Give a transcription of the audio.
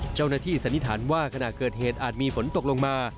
เจ้าหน้าที่สันนิษฐานว่าขณะเกิดเหตุอาจมีฝนตกลงมา